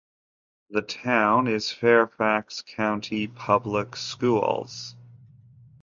The town is Fairfax County Public Schools.